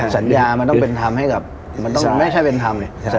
สัญญามันต้องเป็นธรรมให้กับมันต้องไม่ใช่เป็นธรรม